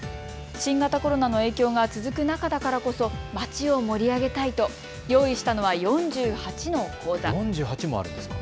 新型コロナの影響が続く中だからこそ街を盛り上げたいと用意したのは４８の講座。